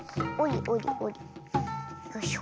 よいしょ。